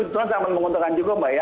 itu sangat menguntungkan juga mbak ya